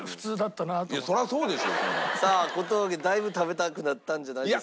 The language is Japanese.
さあ小峠だいぶ食べたくなったんじゃないですか。